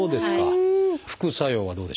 副作用はどうでしょう？